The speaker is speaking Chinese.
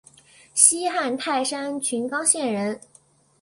西汉泰山郡刚县人。